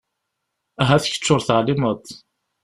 Ahat kečč ur teεlimeḍ